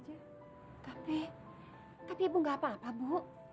tapi tapi bu tidak apa apa bu